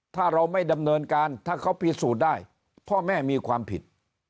ถ้าเราไม่ดำเนินการถ้าเขาพิสูจน์ได้พ่อแม่มีความผิด